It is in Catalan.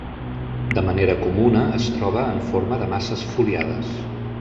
De manera comuna es troba en forma de masses foliades.